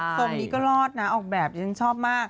ทรงนี้ก็รอดนะออกแบบดิฉันชอบมาก